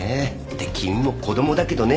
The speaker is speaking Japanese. で君も子供だけどね。